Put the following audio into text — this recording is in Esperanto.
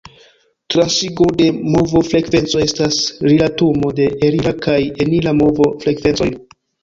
Transigo de movo-frekvenco estas rilatumo de elira kaj enira movo-frekvencoj.